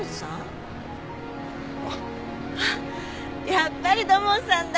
やっぱり土門さんだ。